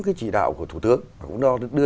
cái chỉ đạo của thủ tướng cũng đưa